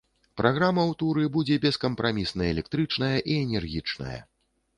Праграма ў туры будзе бескампрамісна электрычная і энергічная.